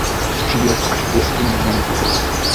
Příjezd až k jeskyni není povolen.